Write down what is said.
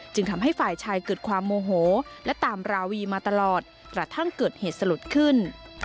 ทำให้ฝ่ายชายเกิดความโมโหและตามราวีมาตลอดกระทั่งเกิดเหตุสลดขึ้น